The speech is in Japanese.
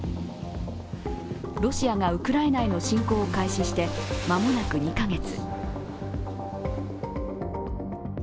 ロシアがウクライナへの侵攻を開始して間もなく２カ月。